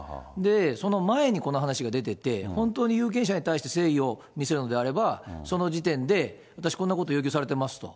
その前に、この話が出てて、本当に有権者に対して誠意を見せるのであれば、その時点で、私、こんなこと要求されてますと。